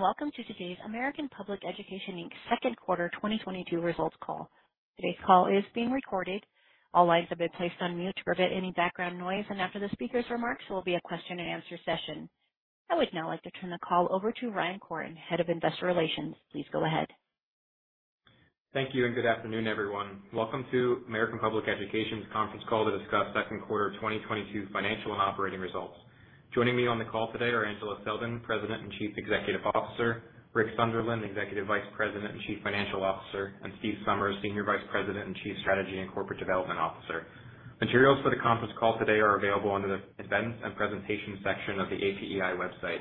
Welcome to today's American Public Education, Inc.'s Q2 2022 results call. Today's call is being recorded. All lines have been placed on mute to prevent any background noise, and after the speaker's remarks, there will be a question and answer session. I would now like to turn the call over to Ryan Koren, Head of Investor Relations. Please go ahead. Thank you and good afternoon, everyone. Welcome to American Public Education's conference call to discuss Q2 2022 financial and operating results. Joining me on the call today are Angela Selden, President and Chief Executive Officer, Rick Sunderland, Executive Vice President and Chief Financial Officer, and Steve Somers, Senior Vice President and Chief Strategy and Corporate Development Officer. Materials for the conference call today are available under the Events and Presentations section of the APEI website.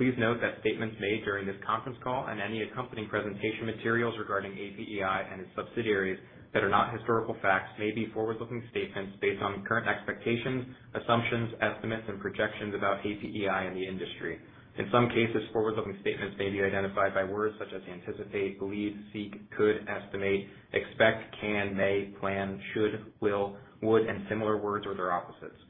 Please note that statements made during this conference call and any accompanying presentation materials regarding APEI and its subsidiaries that are not historical facts may be forward-looking statements based on current expectations, assumptions, estimates, and projections about APEI and the industry. In some cases, forward-looking statements may be identified by words such as anticipate, believe, seek, could, estimate, expect, can, may, plan, should, will, would, and similar words or their opposites.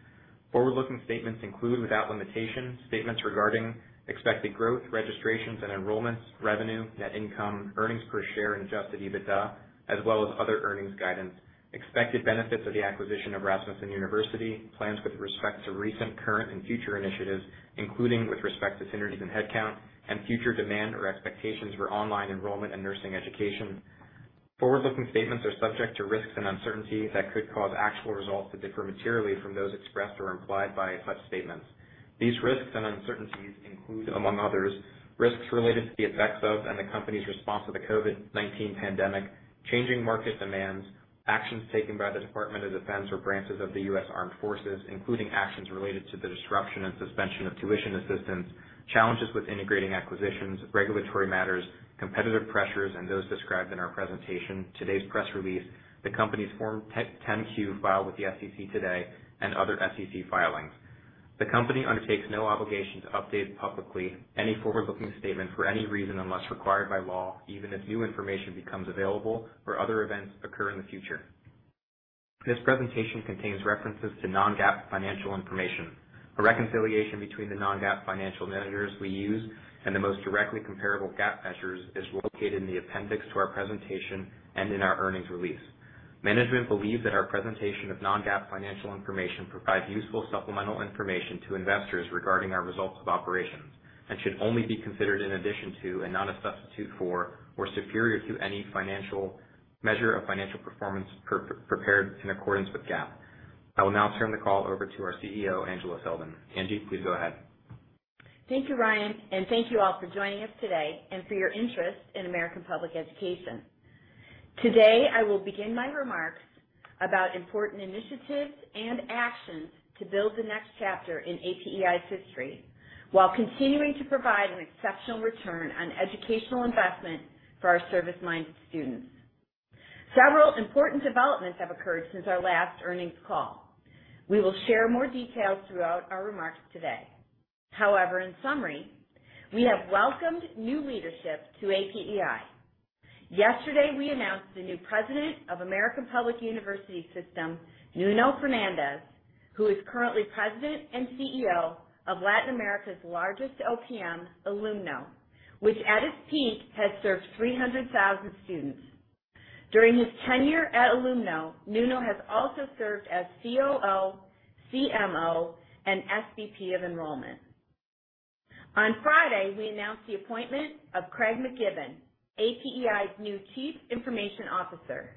Forward-looking statements include, without limitation, statements regarding expected growth, registrations, and enrollments, revenue, net income, earnings per share, and Adjusted EBITDA, as well as other earnings guidance, expected benefits of the acquisition of Rasmussen University, plans with respect to recent, current, and future initiatives, including with respect to synergies and headcount and future demand or expectations for online enrollment and nursing education. Forward-looking statements are subject to risks and uncertainties that could cause actual results to differ materially from those expressed or implied by such statements. These risks and uncertainties include, among others, risks related to the effects of and the company's response to the COVID-19 pandemic, changing market demands, actions taken by the Department of Defense or branches of the U.S. Armed Forces, including actions related to the disruption and suspension of tuition assistance, challenges with integrating acquisitions, regulatory matters, competitive pressures, and those described in our presentation, today's press release, the company's Form 10-Q filed with the SEC today, and other SEC filings. The company undertakes no obligation to update publicly any forward-looking statement for any reason unless required by law, even if new information becomes available or other events occur in the future. This presentation contains references to non-GAAP financial information. A reconciliation between the non-GAAP financial measures we use and the most directly comparable GAAP measures is located in the appendix to our presentation and in our earnings release. Management believe that our presentation of non-GAAP financial information provides useful supplemental information to investors regarding our results of operations and should only be considered in addition to and not a substitute for or superior to any financial measure of financial performance prepared in accordance with GAAP. I will now turn the call over to our CEO, Angela Selden. Angie, please go ahead. Thank you, Ryan, and thank you all for joining us today and for your interest in American Public Education. Today, I will begin my remarks about important initiatives and actions to build the next chapter in APEI's history while continuing to provide an exceptional return on educational investment for our service-minded students. Several important developments have occurred since our last earnings call. We will share more details throughout our remarks today. However, in summary, we have welcomed new leadership to APEI. Yesterday, we announced the new president of American Public University System, Nuno Fernandes, who is currently president and CEO of Latin America's largest OPM, Ilumno, which at its peak has served 300,000 students. During his tenure at Ilumno, Nuno has also served as COO, CMO, and SVP of enrollment. On Friday, we announced the appointment of Craig MacGibbon, APEI's new Chief Information Officer.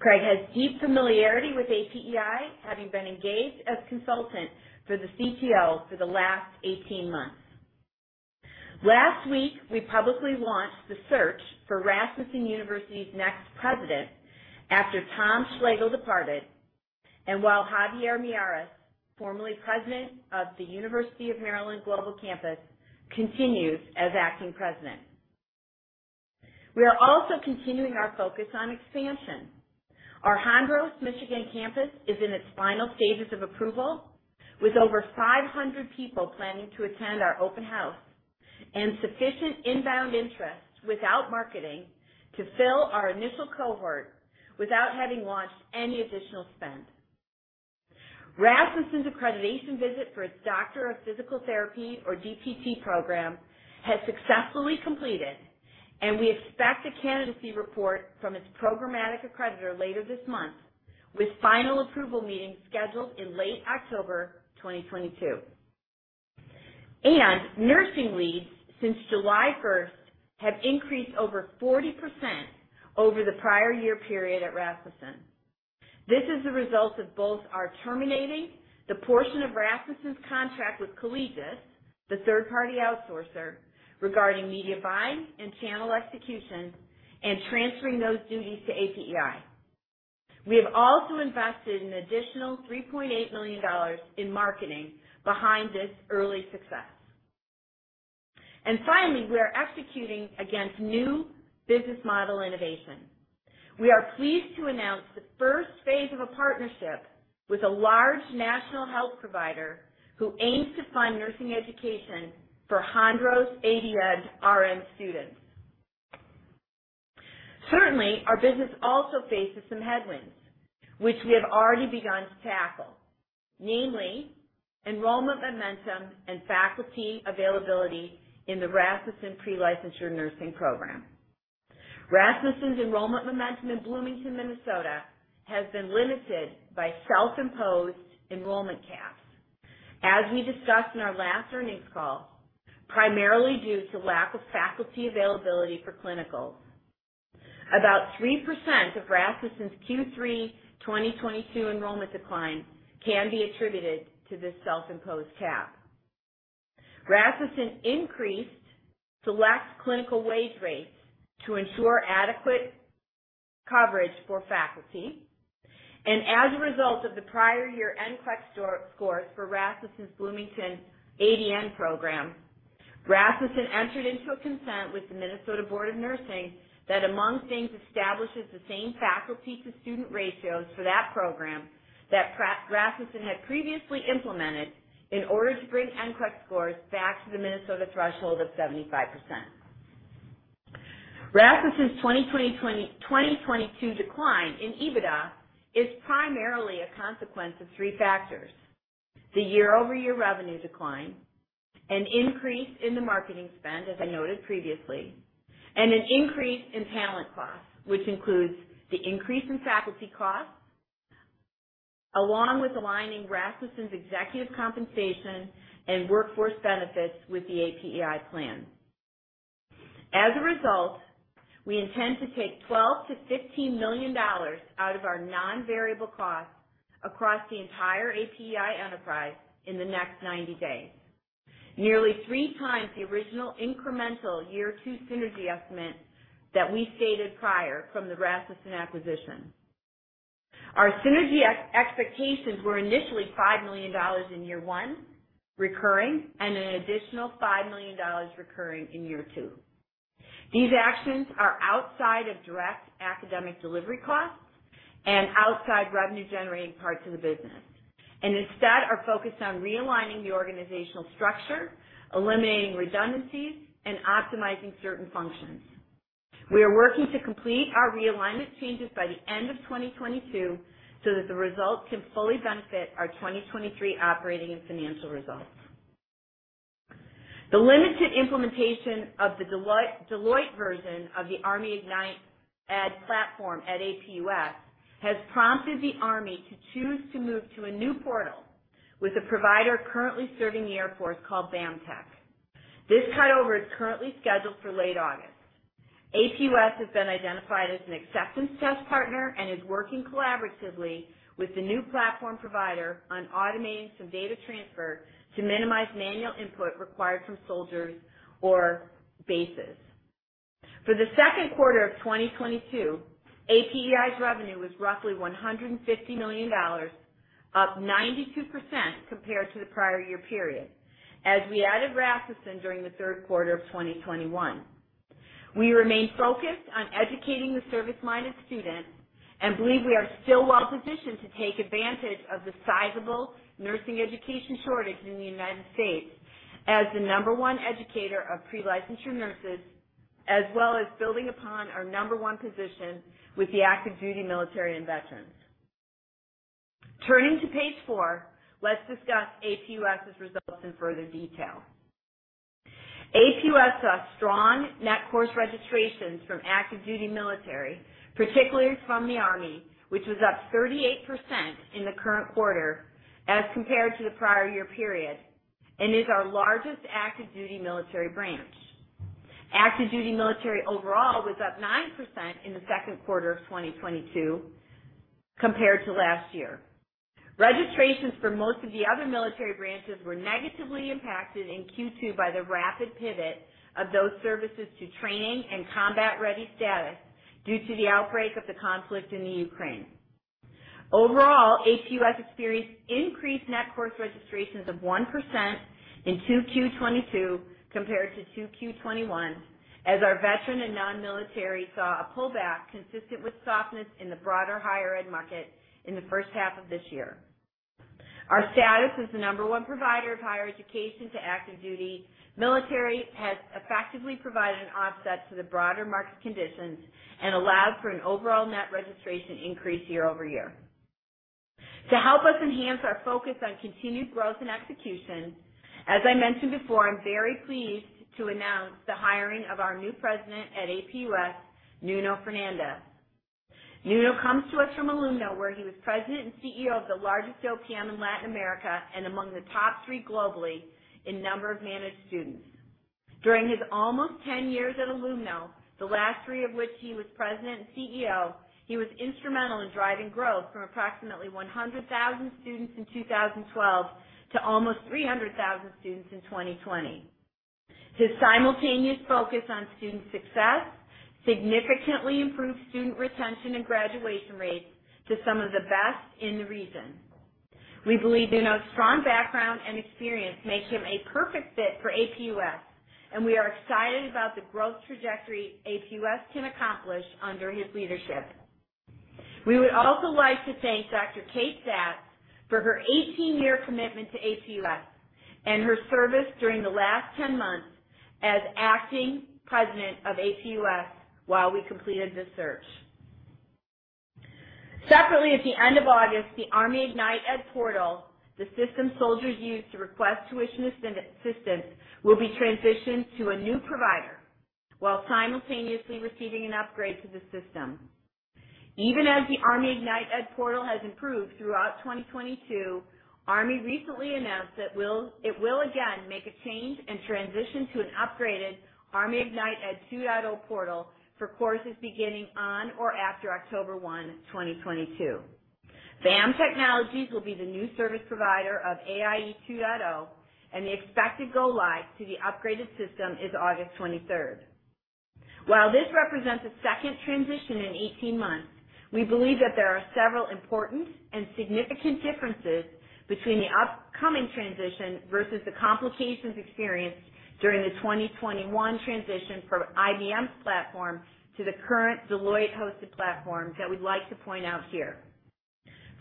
Craig has deep familiarity with APEI, having been engaged as consultant for the CTL for the last 18 months. Last week, we publicly launched the search for Rasmussen University's next president after Tom Slagle departed, while Javier Miyares, formerly president of the University of Maryland Global Campus, continues as acting president. We are also continuing our focus on expansion. Our Hondros, Michigan campus is in its final stages of approval, with over 500 people planning to attend our open house and sufficient inbound interest without marketing to fill our initial cohort without having launched any additional spend. Rasmussen's accreditation visit for its Doctor of Physical Therapy, or DPT program, has successfully completed, and we expect a candidacy report from its programmatic accreditor later this month, with final approval meeting scheduled in late October 2022. Nursing leads since July first have increased over 40% over the prior year period at Rasmussen. This is the result of both our terminating the portion of Rasmussen's contract with Collegis, the third-party outsourcer, regarding media buying and channel execution and transferring those duties to APEI. We have also invested an additional $3.8 million in marketing behind this early success. Finally, we are executing against new business model innovation. We are pleased to announce the Phase I of a partnership with a large national health provider who aims to fund nursing education for Hondros ADN RN students. Currently, our business also faces some headwinds, which we have already begun to tackle, namely enrollment momentum and faculty availability in the Rasmussen pre-licensure nursing program. Rasmussen's enrollment momentum in Bloomington, Minnesota has been limited by self-imposed enrollment caps. As we discussed in our last earnings call, primarily due to lack of faculty availability for clinicals. About 3% of Rasmussen's Q3 2022 enrollment decline can be attributed to this self-imposed cap. Rasmussen increased select clinical wage rates to ensure adequate coverage for faculty. As a result of the prior year NCLEX scores for Rasmussen's Bloomington ADN program, Rasmussen entered into a consent with the Minnesota Board of Nursing that, among things, establishes the same faculty-to-student ratios for that program that Rasmussen had previously implemented in order to bring NCLEX scores back to the Minnesota threshold of 75%. Rasmussen's 2022 decline in EBITDA is primarily a consequence of three factors, the year-over-year revenue decline, an increase in the marketing spend, as I noted previously, and an increase in talent costs, which includes the increase in faculty costs, along with aligning Rasmussen's executive compensation and workforce benefits with the APEI plan. As a result, we intend to take $12-$15 million out of our non-variable costs across the entire APEI enterprise in the next 90 days. Nearly three times the original incremental year two synergy estimate that we stated prior from the Rasmussen acquisition. Our synergy expectations were initially $5 million in year one recurring, and an additional $5 million recurring in year two. These actions are outside of direct academic delivery costs and outside revenue-generating parts of the business, and instead are focused on realigning the organizational structure, eliminating redundancies, and optimizing certain functions. We are working to complete our realignment changes by the end of 2022 so that the results can fully benefit our 2023 operating and financial results. The limited implementation of the Deloitte version of the ArmyIgnitED platform at APUS has prompted the Army to choose to move to a new portal with a provider currently serving the Air Force called BAM Technologies. This cutover is currently scheduled for late August. APUS has been identified as an acceptance test partner and is working collaboratively with the new platform provider on automating some data transfer to minimize manual input required from soldiers or bases. For the Q2 of 2022, APEI's revenue was roughly $150 million, up 92% compared to the prior year period, as we added Rasmussen during the Q3 of 2021. We remain focused on educating the service-minded students and believe we are still well positioned to take advantage of the sizable nursing education shortage in the United States as the number one educator of pre-licensure nurses, as well as building upon our number one position with the active duty military and veterans. Turning to page four, let's discuss APUS' results in further detail. APUS saw strong net course registrations from active duty military, particularly from the Army, which was up 38% in the current quarter as compared to the prior year period, and is our largest active duty military branch. Active duty military overall was up 9% in the Q2 of 2022 compared to last year. Registrations for most of the other military branches were negatively impacted in Q2 by the rapid pivot of those services to training and combat ready status due to the outbreak of the conflict in the Ukraine. Overall, APUS experienced increased net course registrations of 1% in Q2 2022 compared to Q2 2021, as our veteran and non-military saw a pullback consistent with softness in the broader higher ed market in the H1 of this year. Our status as the number one provider of higher education to active duty military has effectively provided an offset to the broader market conditions and allowed for an overall net registration increase year-over-year. To help us enhance our focus on continued growth and execution, as I mentioned before, I'm very pleased to announce the hiring of our new president at APUS, Nuno Fernandes. Nuno comes to us from Ilumno, where he was president and CEO of the largest OPM in Latin America and among the top three globally in number of managed students. During his almost 10 years at Ilumno, the last three of which he was president and CEO, he was instrumental in driving growth from approximately 100,000 students in 2012 to almost 300,000 students in 2020. His simultaneous focus on student success significantly improved student retention and graduation rates to some of the best in the region. We believe Nuno's strong background and experience makes him a perfect fit for APUS, and we are excited about the growth trajectory APUS can accomplish under his leadership. We would also like to thank Dr. Kate Sacks for her 18-year commitment to APUS and her service during the last 10 months as acting president of APUS while we completed the search. Separately, at the end of August, the ArmyIgnitED Portal, the system soldiers use to request tuition assistance, will be transitioned to a new provider while simultaneously receiving an upgrade to the system. Even as the ArmyIgnitED Portal has improved throughout 2022, Army recently announced it will again make a change and transition to an upgraded ArmyIgnitED 2.0 portal for courses beginning on or after October 1, 2022. BAM Technologies will be the new service provider of ArmyIgnitED 2.0, and the expected go-live to the upgraded system is August 23. While this represents a second transition in 18 months, we believe that there are several important and significant differences between the upcoming transition versus the complications experienced during the 2021 transition from IBM's platform to the current Deloitte-hosted platform that we'd like to point out here.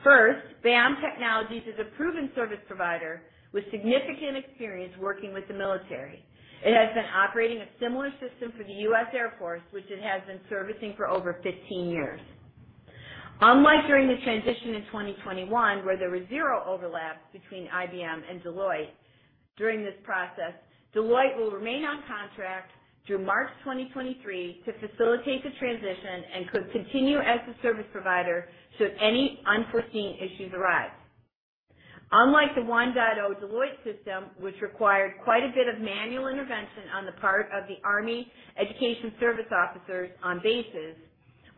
First, BAM Technologies is a proven service provider with significant experience working with the military. It has been operating a similar system for the U.S. Air Force, which it has been servicing for over 15 years. Unlike during the transition in 2021, where there was zero overlap between IBM and Deloitte, during this process, Deloitte will remain on contract through March 2023 to facilitate the transition and could continue as the service provider should any unforeseen issues arise. Unlike the 1.0 Deloitte system, which required quite a bit of manual intervention on the part of the Army Education Service officers on bases,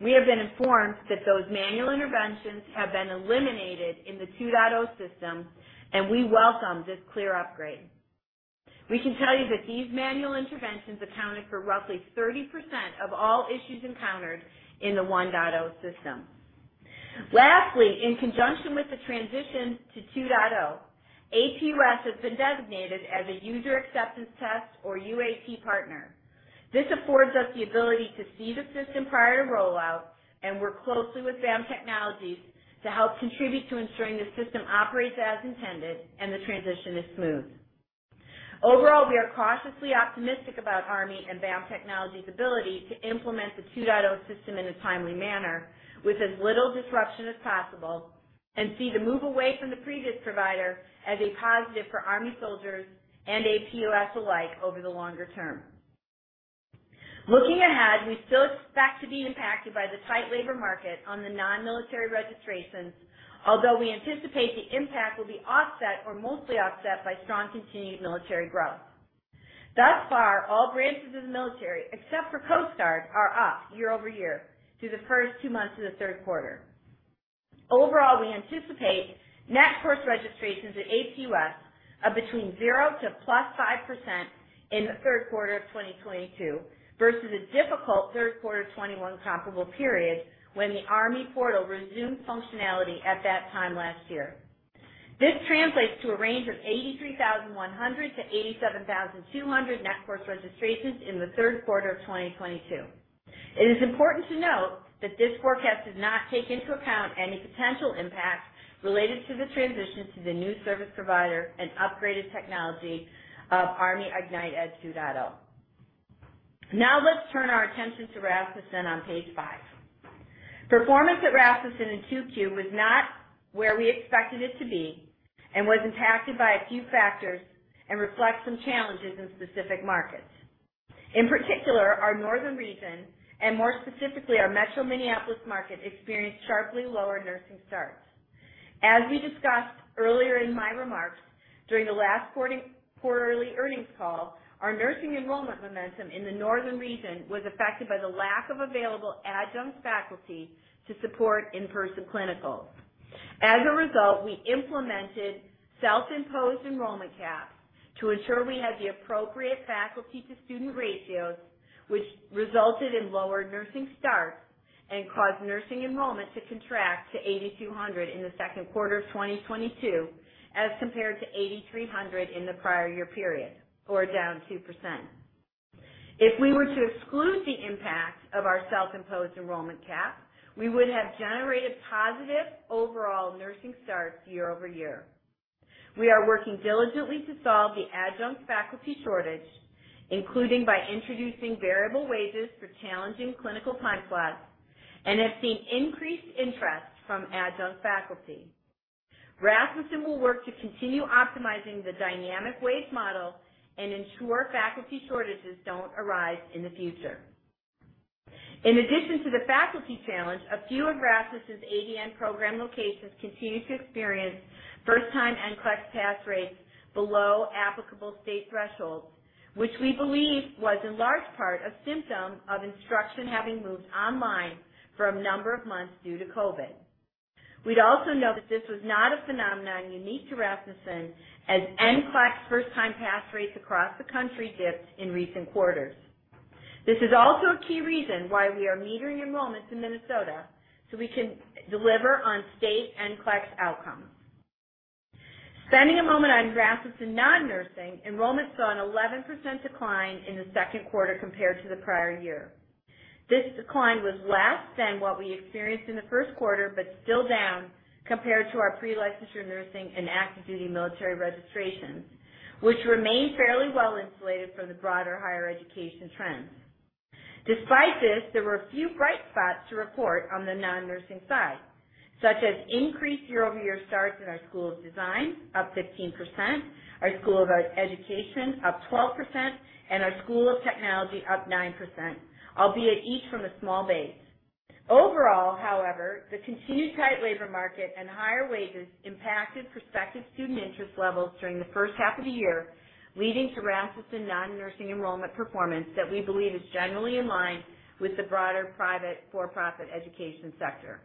we have been informed that those manual interventions have been eliminated in the 2.0 system, and we welcome this clear upgrade. We can tell you that these manual interventions accounted for roughly 30% of all issues encountered in the 1.0 system. Lastly, in conjunction with the transition to 2.0, APUS has been designated as a user acceptance test or UAT partner. This affords us the ability to see the system prior to rollout and work closely with BAM Technologies to help contribute to ensuring the system operates as intended and the transition is smooth. Overall, we are cautiously optimistic about Army and BAM Technologies' ability to implement the 2.0 system in a timely manner with as little disruption as possible and see the move away from the previous provider as a positive for Army soldiers and APUS alike over the longer term. Looking ahead, we still expect to be impacted by the tight labor market on the non-military registrations, although we anticipate the impact will be offset or mostly offset by strong continued military growth. Thus far, all branches of the military, except for Coast Guard, are up year-over-year through the first two months of the Q3. Overall, we anticipate net course registrations at APUS of between 0% to +5% in the Q3 of 2022 versus a difficult Q3 2021 comparable period when the Army portal resumed functionality at that time last year. This translates to a range of 83,100 to 87,200 net course registrations in the Q3 of 2022. It is important to note that this forecast does not take into account any potential impacts related to the transition to the new service provider and upgraded technology of ArmyIgnitED 2.0. Now let's turn our attention to Rasmussen on page 5. Performance at Rasmussen in Q2 was not where we expected it to be and was impacted by a few factors and reflects some challenges in specific markets. In particular, our northern region, and more specifically, our Metro Minneapolis market, experienced sharply lower nursing starts. As we discussed earlier in my remarks during the last quarterly earnings call, our nursing enrollment momentum in the northern region was affected by the lack of available adjunct faculty to support in-person clinicals. As a result, we implemented self-imposed enrollment caps to ensure we had the appropriate faculty-to-student ratios, which resulted in lower nursing starts and caused nursing enrollment to contract to 8,200 in the Q2 of 2022, as compared to 8,300 in the prior year period, or down 2%. If we were to exclude the impact of our self-imposed enrollment cap, we would have generated positive overall nursing starts year-over-year. We are working diligently to solve the adjunct faculty shortage, including by introducing variable wages for challenging clinical time slots, and have seen increased interest from adjunct faculty. Rasmussen will work to continue optimizing the dynamic wage model and ensure faculty shortages don't arise in the future. In addition to the faculty challenge, a few of Rasmussen's ADN program locations continued to experience first-time NCLEX pass rates below applicable state thresholds, which we believe was in large part a symptom of instruction having moved online for a number of months due to COVID. We'd also note that this was not a phenomenon unique to Rasmussen, as NCLEX first-time pass rates across the country dipped in recent quarters. This is also a key reason why we are metering enrollments in Minnesota, so we can deliver on state NCLEX outcomes. Spending a moment on Rasmussen non-nursing, enrollments saw an 11% decline in the Q2 compared to the prior year. This decline was less than what we experienced in the Q1, but still down compared to our pre-licensure nursing and active duty military registrations, which remain fairly well insulated from the broader higher education trends. Despite this, there were a few bright spots to report on the non-nursing side, such as increased year-over-year starts in our School of Design, up 15%, our School of Education, up 12%, and our School of Technology, up 9%, albeit each from a small base. Overall, however, the continued tight labor market and higher wages impacted prospective student interest levels during the H1 of the year, leading to Rasmussen non-nursing enrollment performance that we believe is generally in line with the broader private for-profit education sector.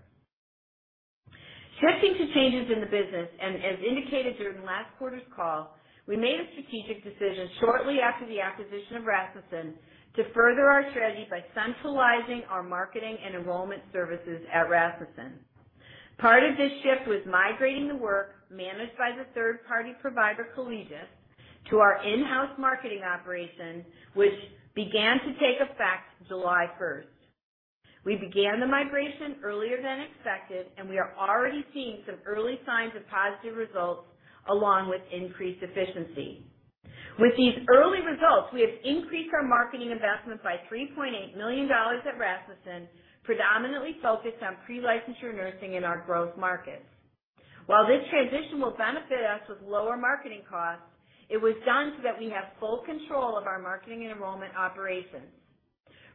Switching to changes in the business, and as indicated during last quarter's call, we made a strategic decision shortly after the acquisition of Rasmussen to further our strategy by centralizing our marketing and enrollment services at Rasmussen. Part of this shift was migrating the work managed by the third-party provider, Collegis, to our in-house marketing operation, which began to take effect July first. We began the migration earlier than expected, and we are already seeing some early signs of positive results along with increased efficiency. With these early results, we have increased our marketing investments by $3.8 million at Rasmussen, predominantly focused on pre-licensure nursing in our growth markets. While this transition will benefit us with lower marketing costs, it was done so that we have full control of our marketing and enrollment operations.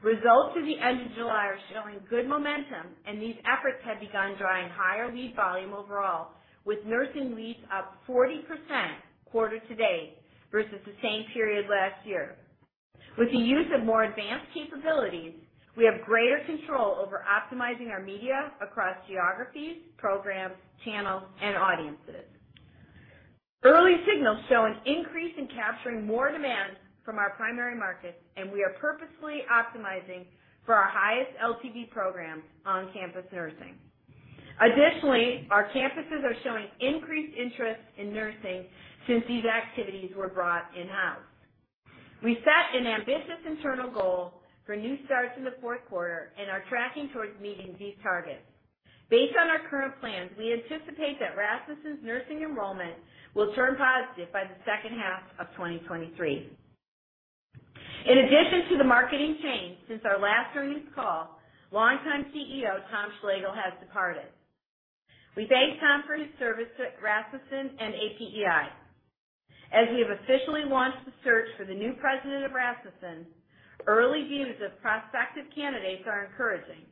Results through the end of July are showing good momentum, and these efforts have begun drawing higher lead volume overall, with nursing leads up 40% quarter to date versus the same period last year. With the use of more advanced capabilities, we have greater control over optimizing our media across geographies, programs, channels, and audiences. Early signals show an increase in capturing more demand from our primary markets, and we are purposefully optimizing for our highest LTV programs on campus nursing. Additionally, our campuses are showing increased interest in nursing since these activities were brought in-house. We set an ambitious internal goal for new starts in the Q4 and are tracking towards meeting these targets. Based on our current plans, we anticipate that Rasmussen's nursing enrollment will turn positive by the second half of 2023. In addition to the marketing change, since our last earnings call, longtime CEO Tom Slagle has departed. We thank Tom for his service to Rasmussen and APEI. As we have officially launched the search for the new president of Rasmussen, early views of prospective candidates are encouraging.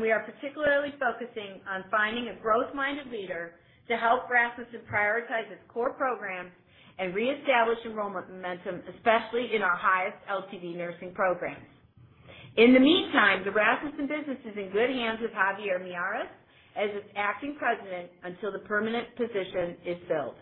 We are particularly focusing on finding a growth-minded leader to help Rasmussen prioritize its core programs and reestablish enrollment momentum, especially in our highest LTV nursing programs. In the meantime, the Rasmussen business is in good hands with Javier Miyares as its acting president until the permanent position is filled.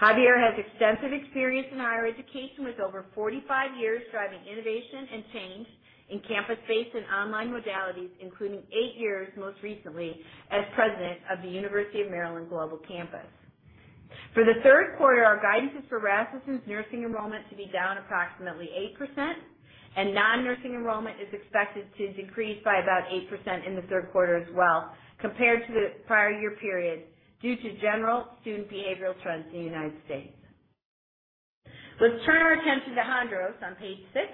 Javier has extensive experience in higher education, with over 45 years driving innovation and change in campus-based and online modalities, including 8 years, most recently as president of the University of Maryland Global Campus. For the Q3, our guidance is for Rasmussen's nursing enrollment to be down approximately 8%, and non-nursing enrollment is expected to decrease by about 8% in the Q3 as well compared to the prior year period due to general student behavioral trends in the United States. Let's turn our attention to Hondros on page six.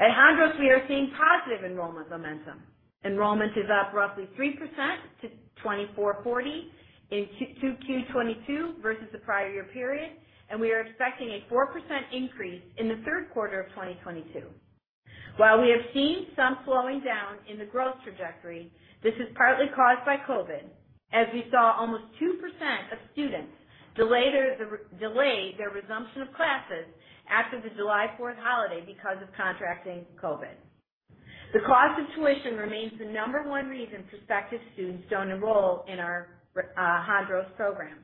At Hondros, we are seeing positive enrollment momentum. Enrollment is up roughly 3% to 24,440 in 2Q 2022 versus the prior year period, and we are expecting a 4% increase in the Q3 of 2022. While we have seen some slowing down in the growth trajectory, this is partly caused by COVID-19, as we saw almost 2% of students delay their resumption of classes after the July Fourth holiday because of contracting COVID-19. The cost of tuition remains the number one reason prospective students don't enroll in our Hondros program.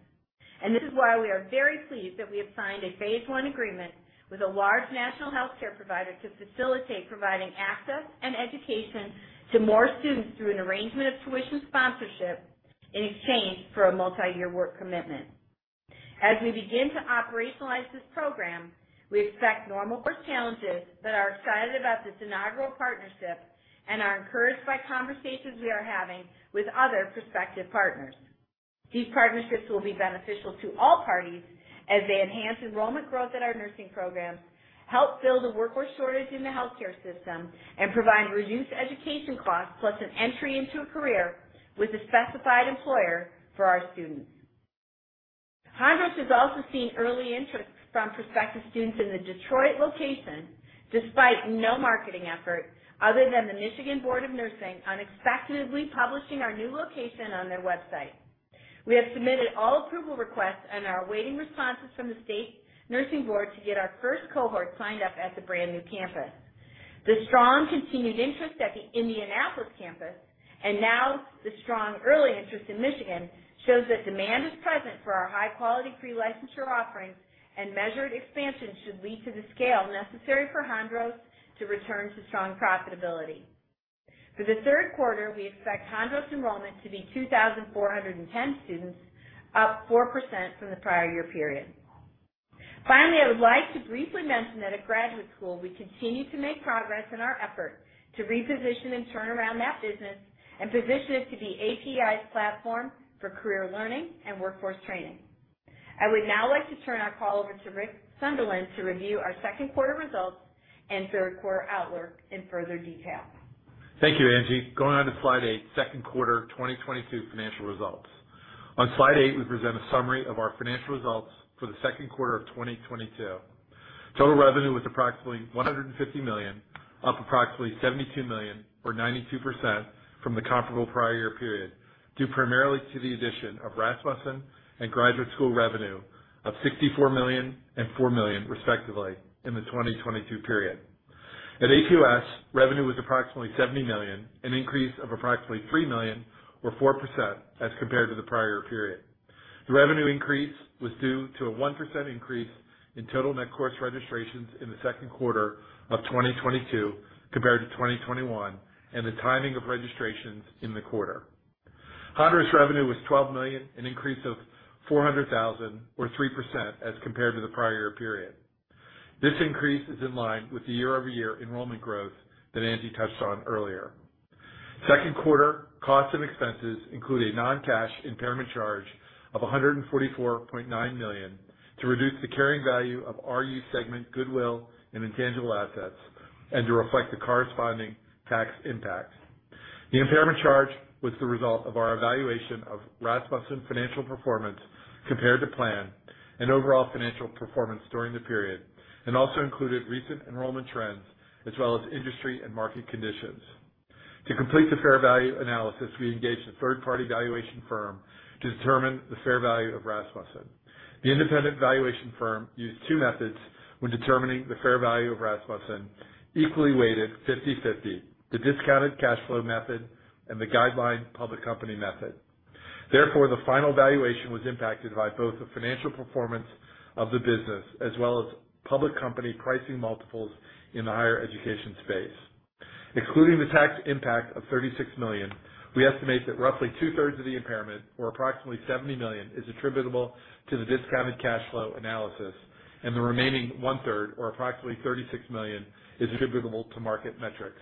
This is why we are very pleased that we have signed a Phase I agreement with a large national healthcare provider to facilitate providing access and education to more students through an arrangement of tuition sponsorship in exchange for a multi-year work commitment. As we begin to operationalize this program, we expect normal course challenges, but are excited about this inaugural partnership and are encouraged by conversations we are having with other prospective partners. These partnerships will be beneficial to all parties as they enhance enrollment growth at our nursing programs, help fill the workforce shortage in the healthcare system, and provide reduced education costs plus an entry into a career with a specified employer for our students. Hondros has also seen early interest from prospective students in the Detroit location despite no marketing effort other than the Michigan Board of Nursing unexpectedly publishing our new location on their website. We have submitted all approval requests and are awaiting responses from the State Nursing Board to get our first cohort signed up at the brand-new campus. The strong continued interest at the Indianapolis campus and now the strong early interest in Michigan shows that demand is present for our high-quality pre-licensure offerings and measured expansion should lead to the scale necessary for Hondros to return to strong profitability. For the Q3, we expect Hondros enrollment to be 2,410 students, up 4% from the prior year period. Finally, I would like to briefly mention that at Graduate School, we continue to make progress in our effort to reposition and turn around that business and position it to be APEI's platform for career learning and workforce training. I would now like to turn our call over to Rick Sunderland to review our Q2 results and Q3 outlook in further detail. Thank you, Angie. Going on to slide 8, Q2 2022 financial results. On slide 8, we present a summary of our financial results for the Q2 of 2022. Total revenue was approximately $150 million, up approximately $72 million or 92% from the comparable prior year period, due primarily to the addition of Rasmussen and Graduate School revenue of $64 million and $4 million, respectively, in the 2022 period. At APUS, revenue was approximately $70 million, an increase of approximately $3 million or 4% as compared to the prior period. The revenue increase was due to a 1% increase in total net course registrations in the Q2 of 2022 compared to 2021 and the timing of registrations in the quarter. Hondros revenue was $12 million, an increase of $400,000 or 3% as compared to the prior period. This increase is in line with the year-over-year enrollment growth that Angie touched on earlier. Q2 costs and expenses include a non-cash impairment charge of $144.9 million to reduce the carrying value of RU segment goodwill and intangible assets and to reflect the corresponding tax impact. The impairment charge was the result of our evaluation of Rasmussen financial performance compared to plan and overall financial performance during the period, and also included recent enrollment trends as well as industry and market conditions. To complete the fair value analysis, we engaged a third-party valuation firm to determine the fair value of Rasmussen. The independent valuation firm used two methods when determining the fair value of Rasmussen, equally weighted 50/50, the discounted cash flow method and the guideline public company method. Therefore, the final valuation was impacted by both the financial performance of the business as well as public company pricing multiples in the higher education space. Excluding the tax impact of $36 million, we estimate that roughly two-thirds of the impairment, or approximately $70 million, is attributable to the discounted cash flow analysis and the remaining one-third, or approximately $36 million, is attributable to market metrics.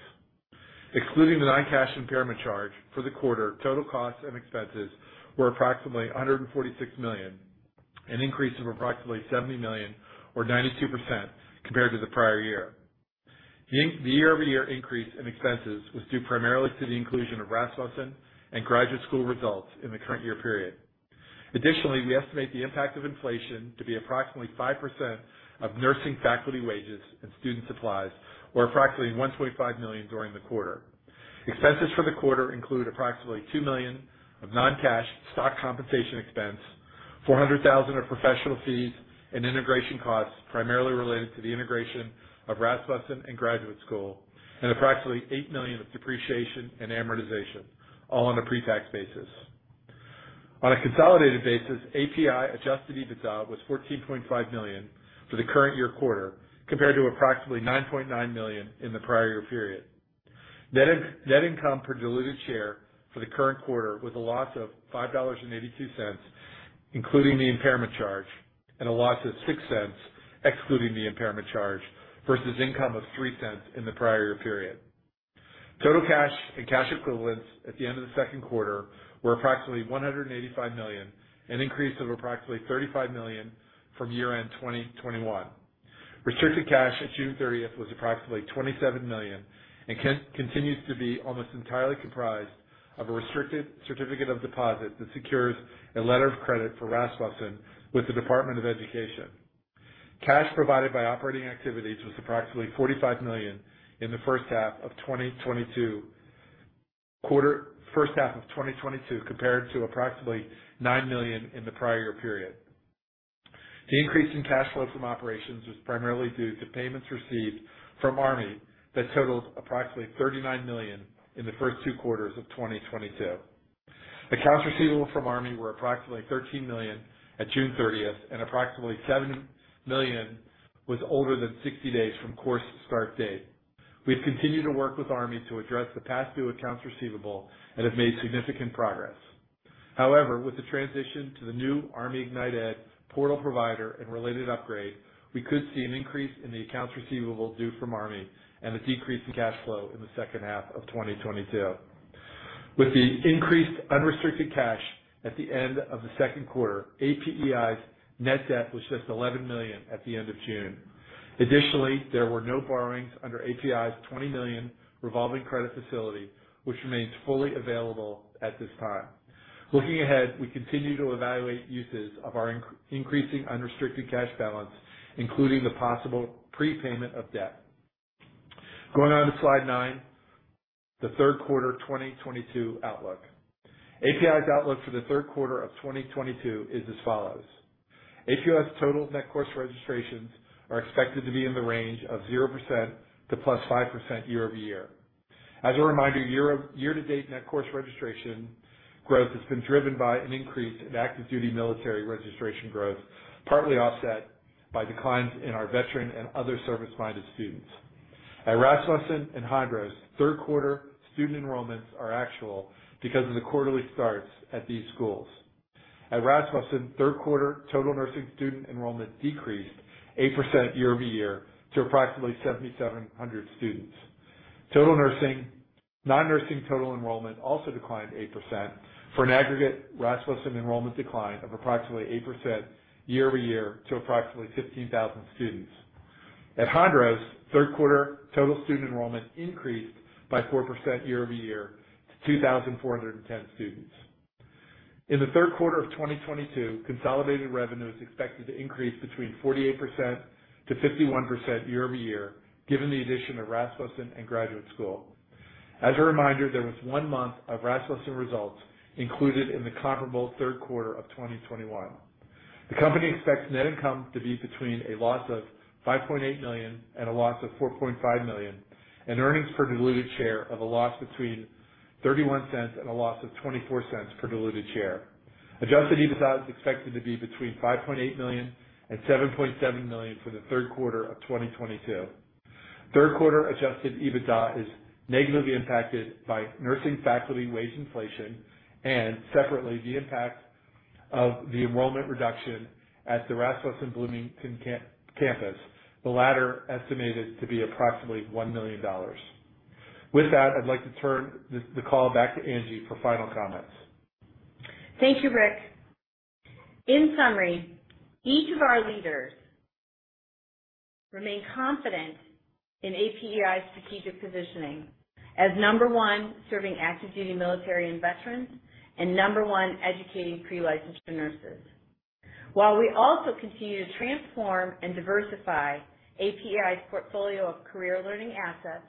Excluding the non-cash impairment charge for the quarter, total costs and expenses were approximately $146 million, an increase of approximately $70 million or 92% compared to the prior year. The year-over-year increase in expenses was due primarily to the inclusion of Rasmussen and Graduate School results in the current year period. Additionally, we estimate the impact of inflation to be approximately 5% of nursing faculty wages and student supplies, or approximately $1.5 million during the quarter. Expenses for the quarter include approximately $2 million of non-cash stock compensation expense, $400,000 of professional fees and integration costs primarily related to the integration of Rasmussen and Graduate School, and approximately $8 million of depreciation and amortization, all on a pre-tax basis. On a consolidated basis, APEI adjusted EBITDA was $14.5 million for the current year quarter, compared to approximately $9.9 million in the prior year period. Net income per diluted share for the current quarter was a loss of $5.82, including the impairment charge, and a loss of $0.06, excluding the impairment charge, versus income of $0.03 in the prior year period. Total cash and cash equivalents at the end of the Q2 were approximately $185 million, an increase of approximately $35 million from year-end 2021. Restricted cash at June 30 was approximately $27 million and continues to be almost entirely comprised of a restricted certificate of deposit that secures a letter of credit for Rasmussen with the Department of Education. Cash provided by operating activities was approximately $45 million in the H1 of 2022, compared to approximately $9 million in the prior period. The increase in cash flow from operations was primarily due to payments received from Army that totaled approximately $39 million in the first two quarters of 2022. Accounts receivable from Army were approximately $13 million at June 30th, and approximately $7 million was older than 60 days from course start date. We've continued to work with Army to address the past due accounts receivable and have made significant progress. However, with the transition to the new ArmyIgnitED portal provider and related upgrade, we could see an increase in the accounts receivable due from Army and a decrease in cash flow in the second half of 2022. With the increased unrestricted cash at the end of the Q2, APEI's net debt was just $11 million at the end of June. Additionally, there were no borrowings under APEI's $20 million revolving credit facility, which remains fully available at this time. Looking ahead, we continue to evaluate uses of our increasing unrestricted cash balance, including the possible prepayment of debt. Going on to slide 9, the Q3 2022 outlook. APEI's outlook for the Q3 of 2022 is as follows. APUS total net course registrations are expected to be in the range of 0% to +5% year-over-year. As a reminder, year-to-date net course registration growth has been driven by an increase in active duty military registration growth, partly offset by declines in our veteran and other service-minded students. At Rasmussen and Hondros, Q3 student enrollments are actual because of the quarterly starts at these schools. At Rasmussen, Q3 total nursing student enrollment decreased 8% year-over-year to approximately 7,700 students. Non-nursing total enrollment also declined 8% for an aggregate Rasmussen enrollment decline of approximately 8% year-over-year to approximately 15,000 students. At Hondros, Q3 total student enrollment increased by 4% year-over-year to 2,410 students. In the Q3 of 2022, consolidated revenue is expected to increase 48%-51% year-over-year, given the addition of Rasmussen and Graduate School. As a reminder, there was one month of Rasmussen results included in the comparable Q3 of 2021. The company expects net income to be between a loss of $5.8 million and a loss of $4.5 million, and earnings per diluted share of a loss between $0.31 and $0.24 per diluted share. Adjusted EBITDA is expected to be between $5.8 million and $7.7 million for the Q3 of 2022. Q3 adjusted EBITDA is negatively impacted by nursing faculty wage inflation, and separately, the impact of the enrollment reduction at the Rasmussen Bloomington campus, the latter estimated to be approximately $1 million. With that, I'd like to turn the call back to Angie for final comments. Thank you, Rick. In summary, each of our leaders remain confident in APEI's strategic positioning as number one, serving active duty military and veterans, and number one, educating pre-licensure nurses. While we also continue to transform and diversify APEI's portfolio of career learning assets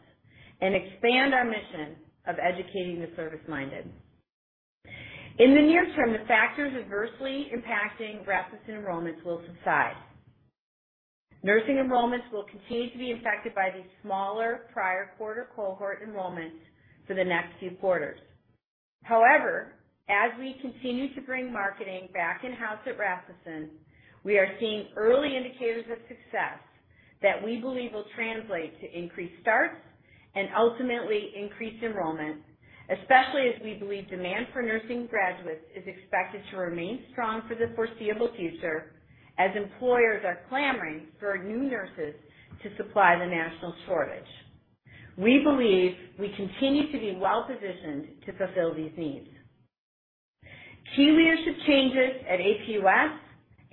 and expand our mission of educating the service-minded. In the near term, the factors adversely impacting Rasmussen enrollments will subside. Nursing enrollments will continue to be impacted by the smaller prior quarter cohort enrollments for the next few quarters. However, as we continue to bring marketing back in-house at Rasmussen, we are seeing early indicators of success that we believe will translate to increased starts and ultimately increased enrollment, especially as we believe demand for nursing graduates is expected to remain strong for the foreseeable future, as employers are clamoring for new nurses to supply the national shortage. We believe we continue to be well-positioned to fulfill these needs. Key leadership changes at APUS,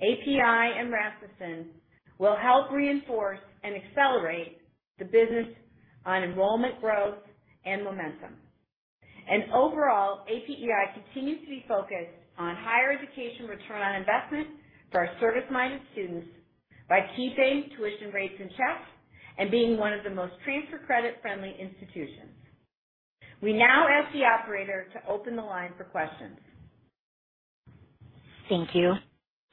APEI, and Rasmussen will help reinforce and accelerate the business on enrollment growth and momentum. Overall, APEI continues to be focused on higher education return on investment for our service-minded students by keeping tuition rates in check and being one of the most transfer credit-friendly institutions. We now ask the operator to open the line for questions. Thank you.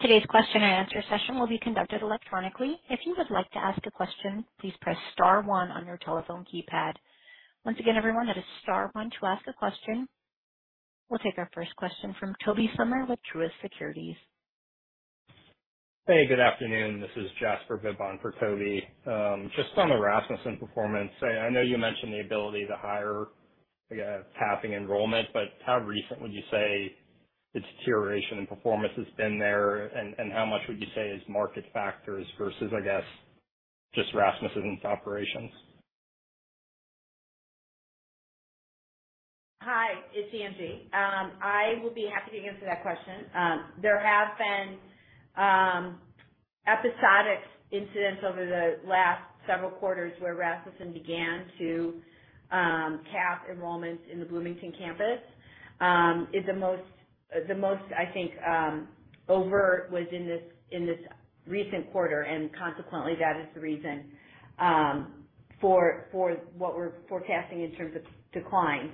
Today's question and answer session will be conducted electronically. If you would like to ask a question, please press star one on your telephone keypad. Once again, everyone, that is star one to ask a question. We'll take our first question from Tobey Sommer with Truist Securities. Hey, good afternoon. This is Jasper Bibb for Tobey. Just on the Rasmussen performance, I know you mentioned the ability to hire, I guess, tapping enrollment, but how recent would you say its deterioration in performance has been there? And how much would you say is market factors versus, I guess, just Rasmussen's operations? Hi, it's Angie. I will be happy to answer that question. There have been episodic incidents over the last several quarters where Rasmussen began to cap enrollment in the Bloomington campus. I think the most overt was in this recent quarter, and consequently, that is the reason for what we're forecasting in terms of declines.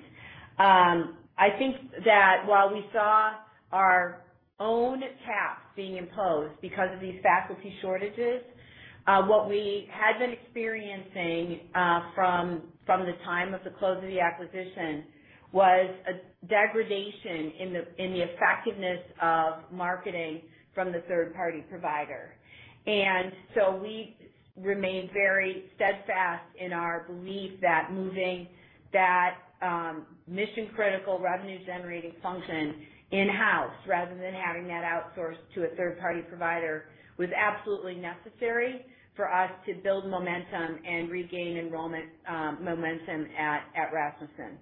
I think that while we saw our own caps being imposed because of these faculty shortages, what we had been experiencing from the time of the close of the acquisition was a degradation in the effectiveness of marketing from the third-party provider. We remain very steadfast in our belief that moving that mission-critical revenue generating function in-house rather than having that outsourced to a third-party provider was absolutely necessary for us to build momentum and regain enrollment momentum at Rasmussen.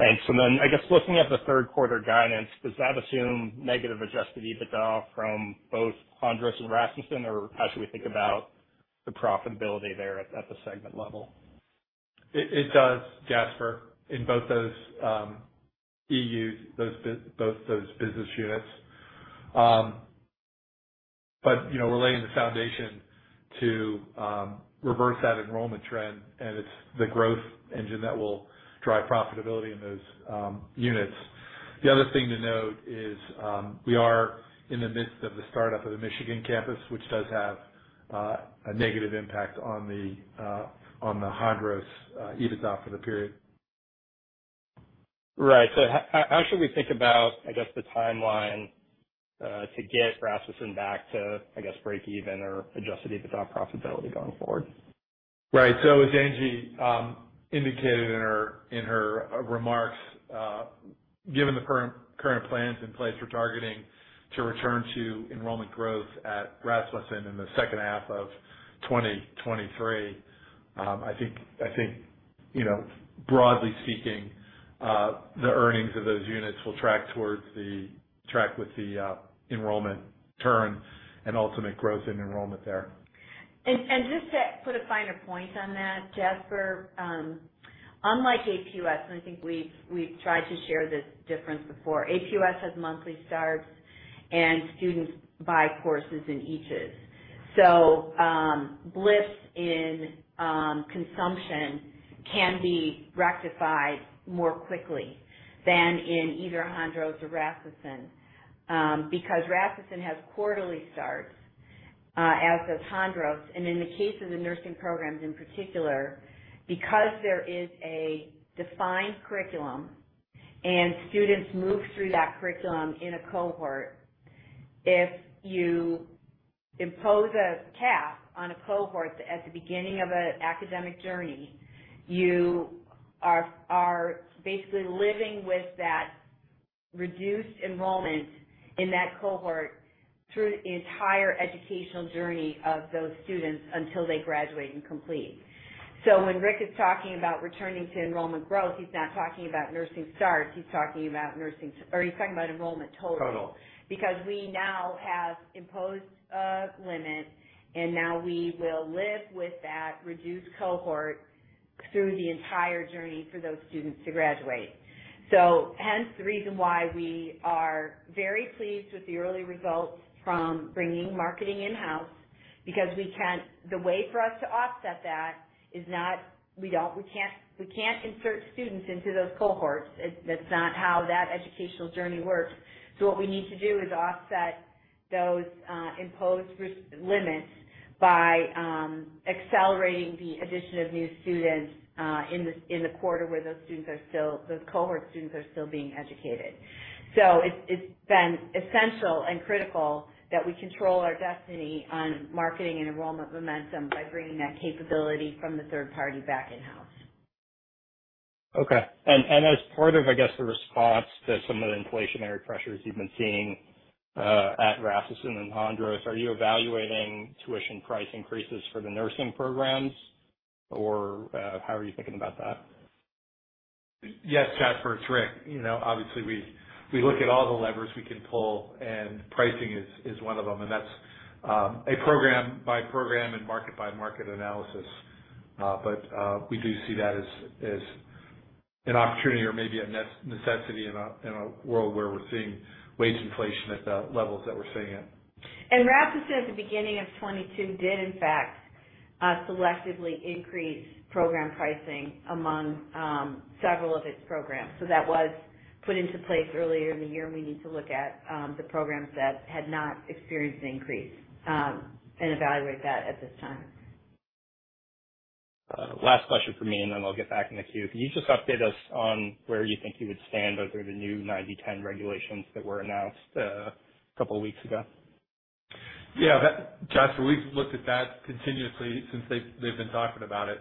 Thanks. I guess looking at the Q3 guidance, does that assume negative Adjusted EBITDA from both Hondros and Rasmussen or how should we think about the profitability there at the segment level? It does, Jasper, in both those business units. You know, we're laying the foundation to reverse that enrollment trend and it's the growth engine that will drive profitability in those units. The other thing to note is, we are in the midst of the startup of the Michigan campus, which does have a negative impact on the Hondros EBITDA for the period. Right. How should we think about, I guess, the timeline to get Rasmussen back to, I guess, breakeven or adjusted EBITDA profitability going forward? Right. As Angie indicated in her remarks, given the current plans in place, we're targeting to return to enrollment growth at Rasmussen in the second half of 2023. I think you know, broadly speaking, the earnings of those units will track with the enrollment turn and ultimate growth in enrollment there. Just to put a finer point on that, Jasper, unlike APUS, and I think we've tried to share this difference before. APUS has monthly starts, and students buy courses in eaches. Blips in consumption can be rectified more quickly than in either Hondros or Rasmussen, because Rasmussen has quarterly starts, as does Hondros. In the case of the nursing programs in particular, because there is a defined curriculum and students move through that curriculum in a cohort, if you impose a cap on a cohort at the beginning of an academic journey, you are basically living with that reduced enrollment in that cohort through the entire educational journey of those students until they graduate and complete. When Rick is talking about returning to enrollment growth, he's not talking about nursing starts, he's talking about enrollment total. Total. Because we now have imposed a limit, and now we will live with that reduced cohort through the entire journey for those students to graduate. Hence the reason why we are very pleased with the early results from bringing marketing in-house because we can't. The way for us to offset that is not we don't, we can't insert students into those cohorts. It's, that's not how that educational journey works. What we need to do is offset those imposed limits by accelerating the addition of new students in the quarter where those students are still, those cohort students are still being educated. It's been essential and critical that we control our destiny on marketing and enrollment momentum by bringing that capability from the third party back in-house. Okay. As part of, I guess, the response to some of the inflationary pressures you've been seeing at Rasmussen and Hondros, are you evaluating tuition price increases for the nursing programs, or how are you thinking about that? Yes, Jasper. It's Rick. You know, obviously we look at all the levers we can pull, and pricing is one of them, and that's a program-by-program and market-by-market analysis. We do see that as an opportunity or maybe a necessity in a world where we're seeing wage inflation at the levels that we're seeing it. Rasmussen at the beginning of 2022 did in fact selectively increase program pricing among several of its programs. That was put into place earlier in the year. We need to look at the programs that had not experienced an increase and evaluate that at this time. Last question from me, and then I'll get back in the queue. Can you just update us on where you think you would stand under the new 90/10 regulations that were announced a couple weeks ago? Yeah. Jasper, we've looked at that continuously since they've been talking about it.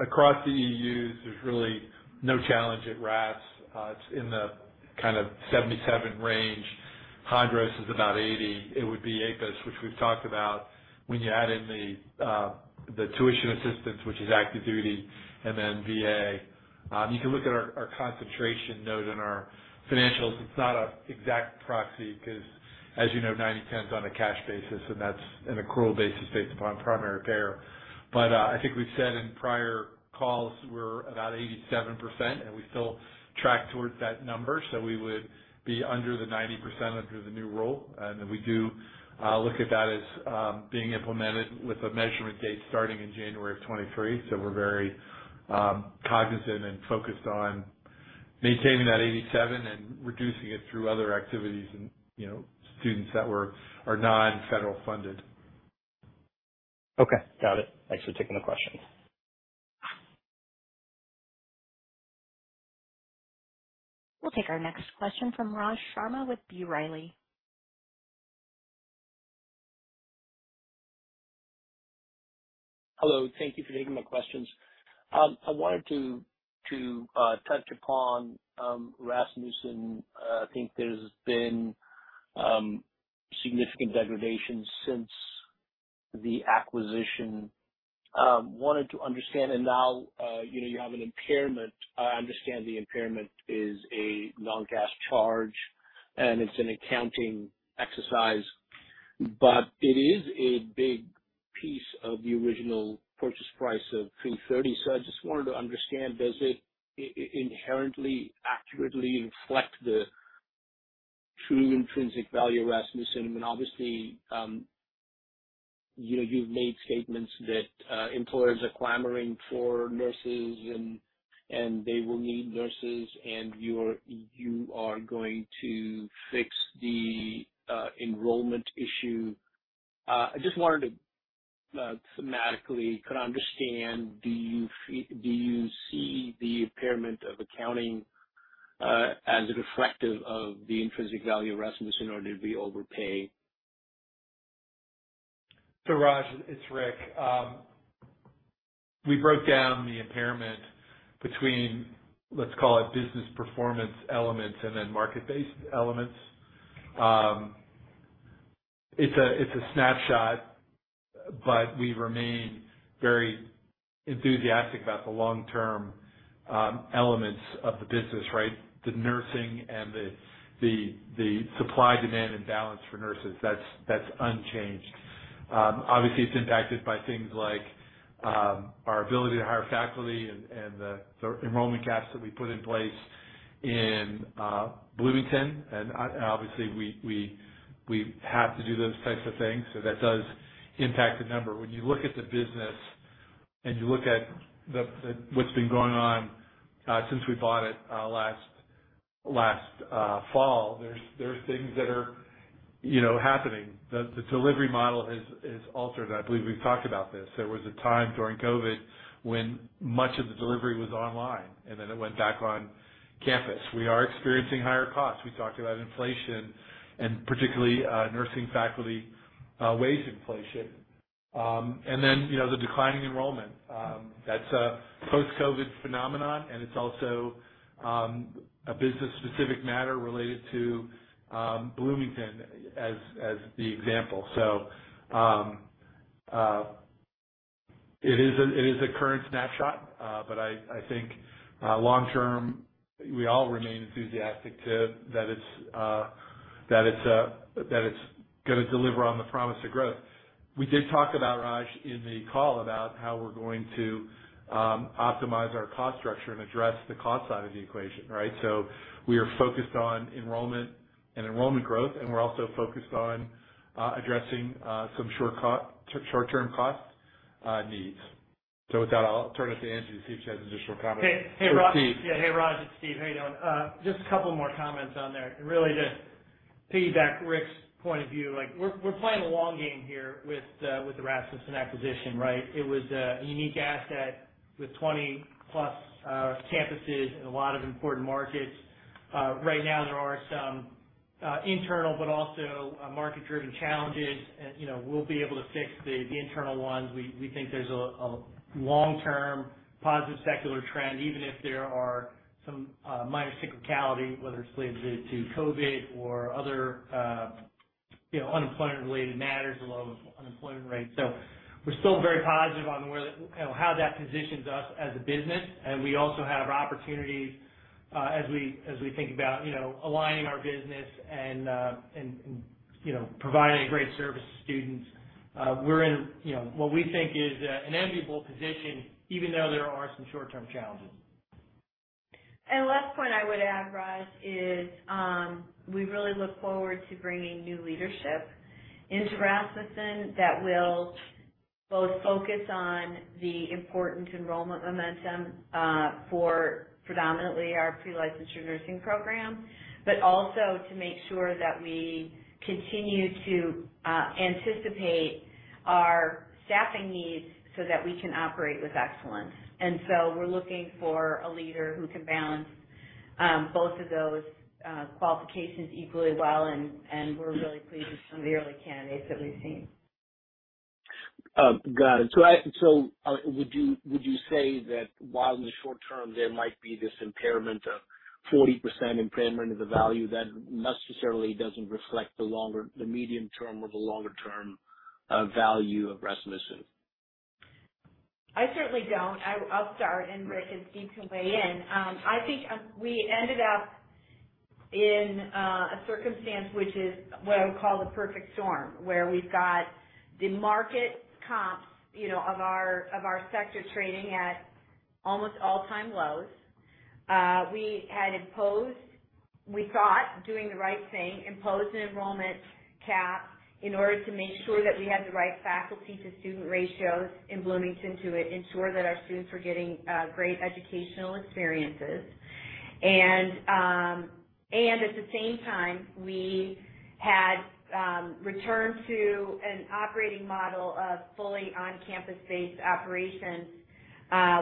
Across the EUs, there's really no challenge at Ras. It's in the kind of 77 range. Hondros is about 80. It would be APUS, which we've talked about, when you add in the tuition assistance, which is active duty, and then VA. You can look at our concentration note in our financials. It's not an exact proxy because, as you know, 90/10's on a cash basis, and that's an accrual basis based upon primary payer. I think we've said in prior calls we're about 87%, and we still track towards that number. We would be under the 90% under the new rule. We do look at that as being implemented with a measurement date starting in January of 2023. We're very cognizant and focused on maintaining that 87% and reducing it through other activities and students that are non-federal funded. Okay. Got it. Thanks for taking the question. We'll take our next question from Raj Sharma with B. Riley. Hello. Thank you for taking my questions. I wanted to touch upon Rasmussen. I think there's been significant degradation since the acquisition. I wanted to understand, and now you know, you have an impairment. I understand the impairment is a non-cash charge, and it's an accounting exercise, but it is a big piece of the original purchase price of $330. So I just wanted to understand, does it inherently accurately reflect the true intrinsic value of Rasmussen? I mean, obviously you've made statements that employers are clamoring for nurses and they will need nurses, and you are going to fix the enrollment issue. I just wanted to understand thematically, do you see the accounting impairment as reflective of the intrinsic value of Rasmussen or did we overpay? Raj, it's Rick. We broke down the impairment between, let's call it business performance elements and then market-based elements. It's a snapshot, but we remain very enthusiastic about the long-term elements of the business, right? The nursing and the supply, demand and balance for nurses, that's unchanged. Obviously, it's impacted by things like our ability to hire faculty and the enrollment caps that we put in place in Bloomington. Obviously, we have to do those types of things, so that does impact the number. When you look at the business and you look at what's been going on since we bought it last fall, there are things that are you know happening. The delivery model is altered. I believe we've talked about this. There was a time during COVID when much of the delivery was online, and then it went back on campus. We are experiencing higher costs. We talked about inflation and particularly, nursing faculty, wage inflation. You know, the declining enrollment. That's a post-COVID phenomenon, and it's also, a business-specific matter related to, Bloomington as the example. It is a current snapshot. I think, long term, we all remain enthusiastic that it's gonna deliver on the promise of growth. We did talk about, Raj, in the call about how we're going to, optimize our cost structure and address the cost side of the equation, right? We are focused on enrollment and enrollment growth, and we're also focused on addressing some short-term cost needs. With that, I'll turn it to Angie to see if she has additional comments. Hey, hey, Raj. Steve. Yeah. Hey, Raj, it's Steve. How you doing? Just a couple more comments on there. Really just piggyback Rick's point of view. Like, we're playing the long game here with the Rasmussen acquisition, right? It was a unique asset with 20-plus campuses in a lot of important markets. Right now there are some internal but also market-driven challenges. You know, we'll be able to fix the internal ones. We think there's a long-term positive secular trend, even if there are some minor cyclicality, whether it's related to COVID or other unemployment-related matters or low unemployment rates. We're still very positive on where how that positions us as a business. We also have opportunities, as we think about aligning our business and providing a great service to students. We're in what we think is, an enviable position, even though there are some short-term challenges. Last point I would add, Raj, is we really look forward to bringing new leadership into Rasmussen that will both focus on the important enrollment momentum for predominantly our pre-licensure nursing program. Also to make sure that we continue to anticipate our staffing needs so that we can operate with excellence. We're looking for a leader who can balance both of those qualifications equally well, and we're really pleased with some of the early candidates that we've seen. Got it. Would you say that while in the short term there might be this impairment of 40% of the value, that necessarily doesn't reflect the longer, the medium term or the longer term value of Rasmussen? I certainly don't. I'll start, and Rick and Steve can weigh in. I think we ended up in a circumstance which is what I would call the perfect storm, where we've got the market comps of our sector trading at almost all-time lows. We had imposed, we thought, doing the right thing, an enrollment cap in order to make sure that we had the right faculty to student ratios in Bloomington, to ensure that our students were getting great educational experiences. At the same time, we had returned to an operating model of fully on-campus based operations,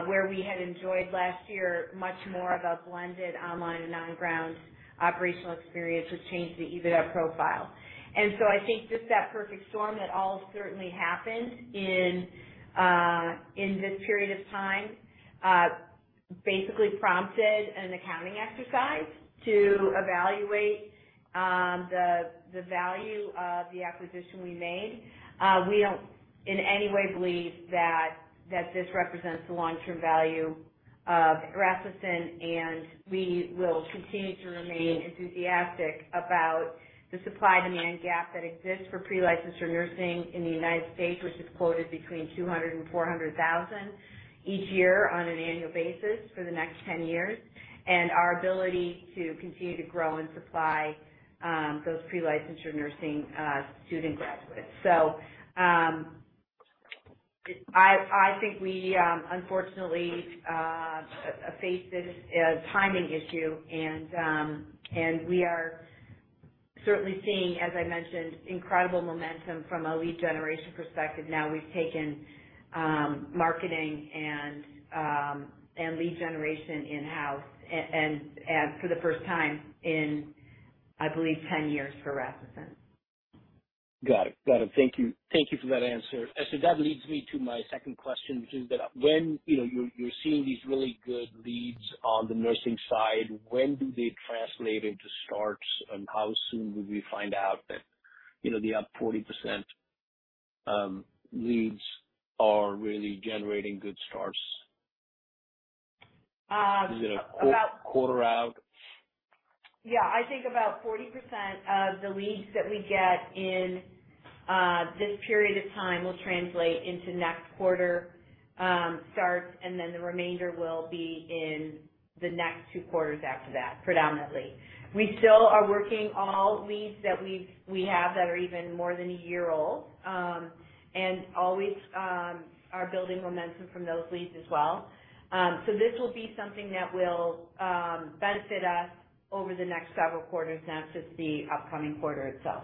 where we had enjoyed last year much more of a blended online and on-ground operational experience, which changed the EBITDA profile. I think just that perfect storm that all certainly happened in this period of time basically prompted an accounting exercise to evaluate the value of the acquisition we made. We don't in any way believe that this represents the long-term value of Rasmussen, and we will continue to remain enthusiastic about the supply-demand gap that exists for pre-licensure nursing in the United States, which is quoted between 200,000 and 400,000 each year on an annual basis for the next 10 years. Our ability to continue to grow and supply those pre-licensure nursing student graduates. I think we unfortunately faced this as timing issue and we are certainly seeing, as I mentioned, incredible momentum from a lead generation perspective. Now we've taken marketing and lead generation in-house, and for the first time in, I believe, 10 years for Rasmussen. Got it. Thank you for that answer. That leads me to my second question, which is that when you're seeing these really good leads on the nursing side, when do they translate into starts? And how soon will we find out that the up 40% leads are really generating good starts? Um, about- Is it a quarter out? Yeah, I think about 40% of the leads that we get in this period of time will translate into next quarter starts, and then the remainder will be in the next two quarters after that, predominantly. We still are working on leads that we have that are even more than a year old, and always are building momentum from those leads as well. This will be something that will benefit us over the next several quarters, not just the upcoming quarter itself.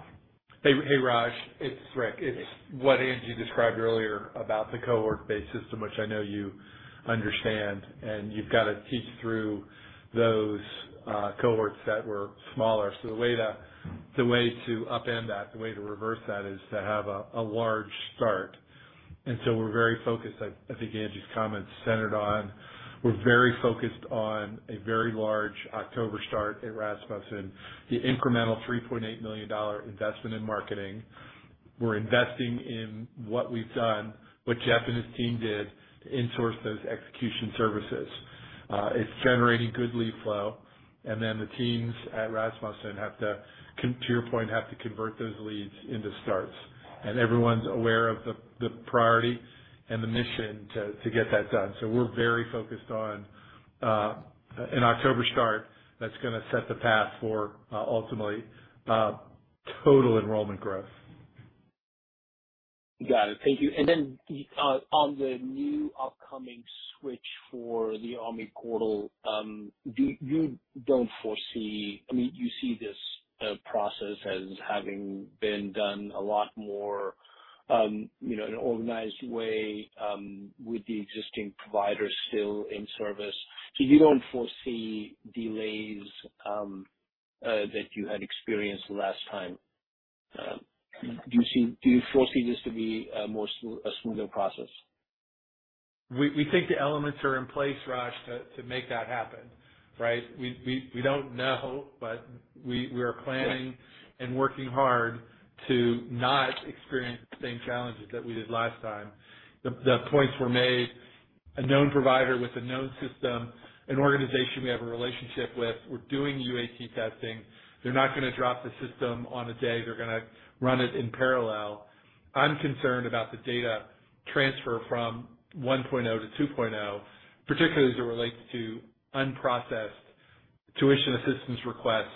Hey, Raj, it's Rick. It's what Angie described earlier about the cohort-based system, which I know you understand, and you've got to teach through those cohorts that were smaller. The way to upend that, the way to reverse that is to have a large start. We're very focused. I think Angie's comments centered on we're very focused on a very large October start at Rasmussen. The incremental $3.8 million investment in marketing. We're investing in what we've done, what Jeff and his team did to insource those execution services. It's generating good lead flow. The teams at Rasmussen have to your point, have to convert those leads into starts. Everyone's aware of the priority and the mission to get that done. We're very focused on an October start that's gonna set the path for ultimately total enrollment growth. Got it. Thank you. On the new upcoming switch for the Army portal, I mean, you see this process as having been done a lot more in an organized way, with the existing provider still in service. You don't foresee delays that you had experienced last time. Do you foresee this to be a smoother process? We think the elements are in place, Raj, to make that happen, right? We don't know, but we are planning and working hard to not experience the same challenges that we did last time. The points were made. A known provider with a known system, an organization we have a relationship with. We're doing UAT testing. They're not gonna drop the system on a day. They're gonna run it in parallel. I'm concerned about the data transfer from 1.0 to 2.0, particularly as it relates to unprocessed tuition assistance requests,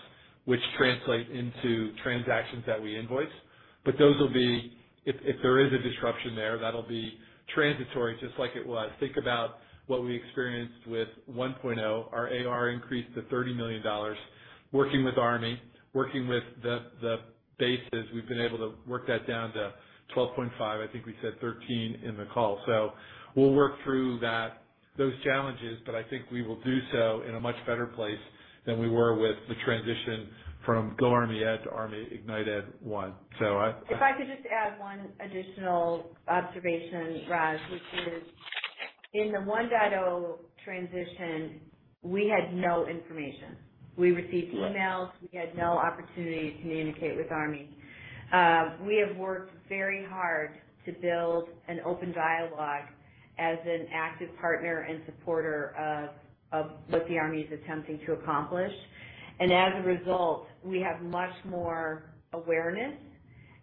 which translate into transactions that we invoice. But those will be, if there is a disruption there, that'll be transitory, just like it was. Think about what we experienced with 1.0. Our AR increased to $30 million. Working with Army, working with the bases, we've been able to work that down to 12.5. I think we said 13 in the call. We'll work through that, those challenges, but I think we will do so in a much better place than we were with the transition from GoArmyEd to ArmyIgnitED one. If I could just add one additional observation, Raj, which is in the 1.0 transition, we had no information. We received emails. Right. We had no opportunity to communicate with Army. We have worked very hard to build an open dialogue as an active partner and supporter of what the Army is attempting to accomplish. As a result, we have much more awareness,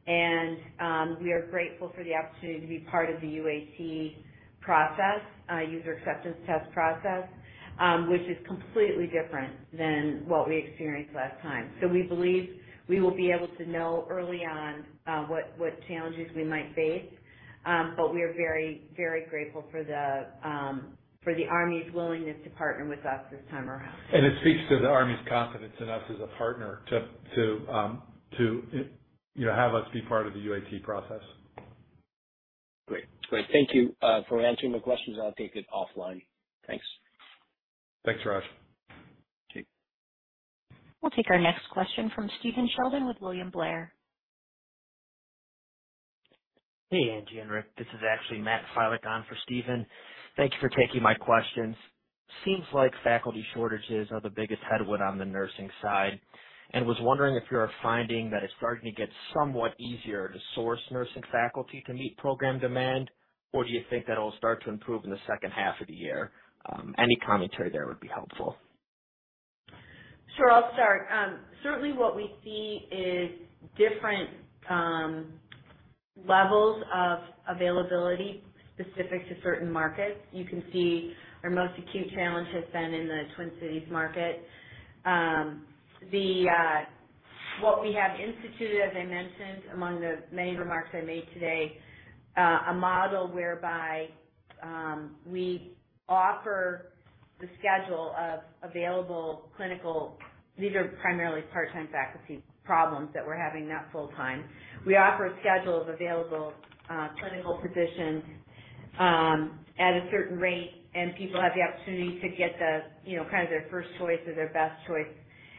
and we are grateful for the opportunity to be part of the UAT process, user acceptance test process, which is completely different than what we experienced last time. We believe we will be able to know early on what challenges we might face. We are very, very grateful for the Army's willingness to partner with us this time around. It speaks to the Army's confidence in us as a partner to have us be part of the UAT process. Great. Thank you for answering my questions. I'll take it offline. Thanks. Thanks, Raj. Okay. We'll take our next question from Stephen Sheldon with William Blair. Hey, Angie and Rick. This is actually Matt Filek on for Stephen. Thank you for taking my questions. Seems like faculty shortages are the biggest headwind on the nursing side, and was wondering if you are finding that it's starting to get somewhat easier to source nursing faculty to meet program demand, or do you think that'll start to improve in the second half of the year? Any commentary there would be helpful. Sure. I'll start. Certainly what we see is different levels of availability specific to certain markets. You can see our most acute challenge has been in the Twin Cities market. What we have instituted, as I mentioned, among the many remarks I made today, a model whereby we offer the schedule of available clinical positions. These are primarily part-time faculty problems that we're having, not full-time. We offer a schedule of available clinical positions at a certain rate, and people have the opportunity to get the kind of their first choice or their best choice.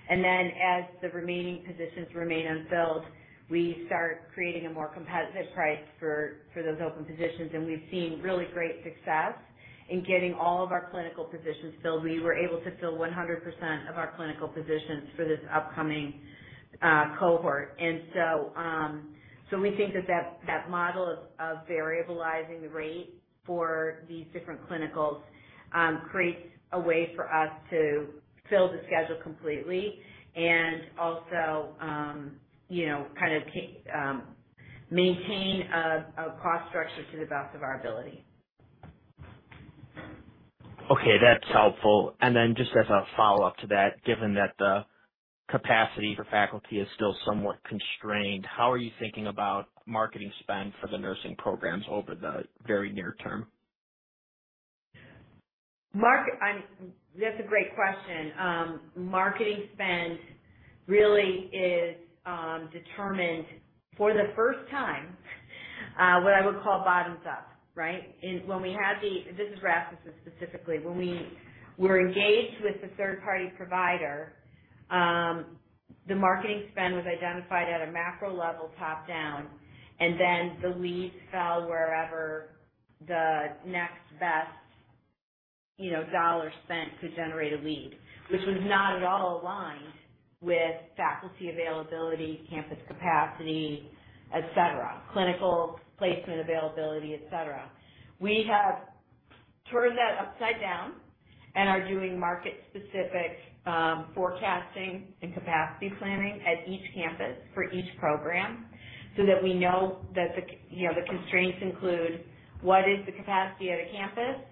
Then, as the remaining positions remain unfilled, we start creating a more competitive price for those open positions. We've seen really great success in getting all of our clinical positions filled. We were able to fill 100% of our clinical positions for this upcoming cohort. We think that model of variabilizing the rate for these different clinicals creates a way for us to fill the schedule completely and also you know kind of maintain a cost structure to the best of our ability. Okay, that's helpful. Just as a follow-up to that, given that the capacity for faculty is still somewhat constrained, how are you thinking about marketing spend for the nursing programs over the very near term? Mark, that's a great question. Marketing spend really is determined for the first time what I would call bottoms up, right? When we had the. This is Rasmussen specifically. When we were engaged with the third-party provider, the marketing spend was identified at a macro level, top-down, and then the leads fell wherever the next best dollar spent could generate a lead, which was not at all aligned with faculty availability, campus capacity, et cetera, clinical placement availability, et cetera. We have turned that upside down and are doing market-specific forecasting and capacity planning at each campus for each program so that we know that the the constraints include what is the capacity at a campus,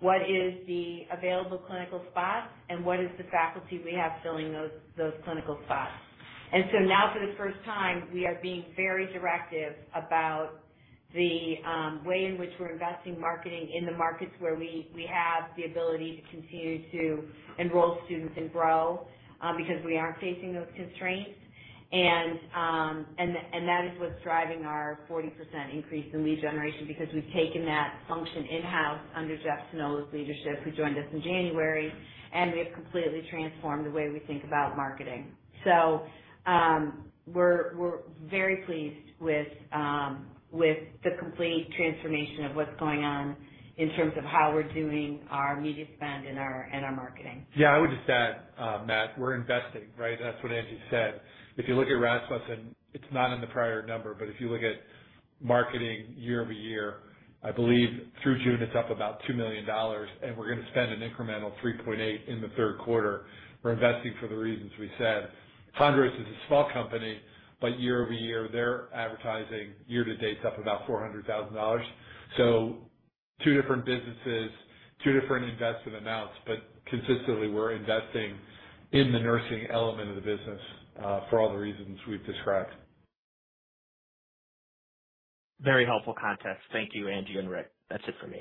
what is the available clinical spots, and what is the faculty we have filling those clinical spots. Now, for the first time, we are being very directive about the way in which we're investing marketing in the markets where we have the ability to continue to enroll students and grow, because we aren't facing those constraints. That is what's driving our 40% increase in lead generation because we've taken that function in-house under Jeff Sonnel leadership, who joined us in January, and we have completely transformed the way we think about marketing. We're very pleased with the complete transformation of what's going on in terms of how we're doing our media spend and our marketing. Yeah. I would just add, Matt, we're investing, right? That's what Angie said. If you look at Rasmussen, it's not in the prior number, but if you look at marketing year-over-year, I believe through June, it's up about $2 million. We're gonna spend an incremental $3.8 million in the Q3. We're investing for the reasons we said. Hondros is a small company, but year-over-year, their advertising year-to-date is up about $400,000. Two different businesses, two different investment amounts, but consistently we're investing in the nursing element of the business, for all the reasons we've described. Very helpful context. Thank you, Angie and Rick. That's it for me.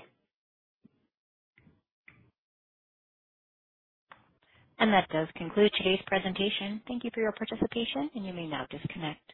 That does conclude today's presentation. Thank you for your participation, and you may now disconnect.